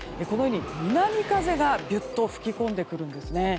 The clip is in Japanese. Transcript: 南風がびゅっと吹き込んでくるんですね。